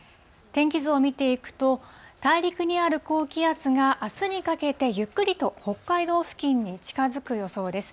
天気図を見ていくと、大陸にある高気圧があすにかけてゆっくりと北海道付近に近づく予想です。